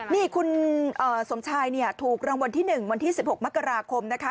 นี่คุณสมชายถูกรางวัลที่หนึ่งวันที่๑๖มกราคมนะคะ